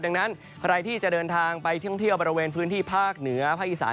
ดังนั้นใครที่จะเดินทางไปท่องเที่ยวบริเวณพื้นที่ภาคเหนือภาคอีสาน